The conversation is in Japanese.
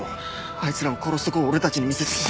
あいつらを殺すとこを俺たちに見せつけて。